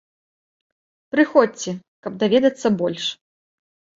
Прыходзьце, каб даведацца больш!